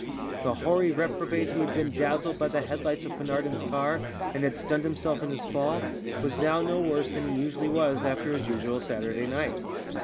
The hoary reprobate who had been dazzled by the head lights of Penarden's car, and had stunned himself in his fall, was now no worse than he usually was after his usual Saturday night.